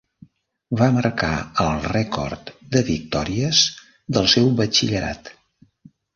Va marcar el rècord de victòries del seu batxillerat.